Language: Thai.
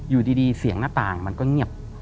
อยู่ดีเสียงหน้าต่างมันก็เงียบ